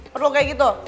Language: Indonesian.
perlu kayak gitu